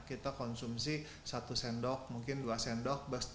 kita konsumsi satu sendok mungkin dua sendok